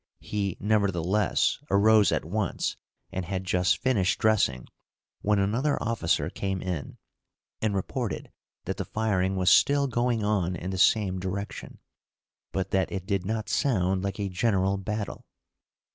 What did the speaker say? He, nevertheless, arose at once, and had just finished dressing when another officer came in, and reported that the firing was still going on in the same direction, but that it did not sound like a general battle.